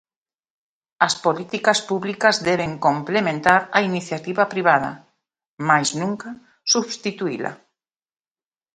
As políticas públicas deben complementar a iniciativa privada, mais nunca substituíla.